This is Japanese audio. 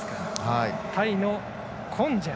タイのコンジェン。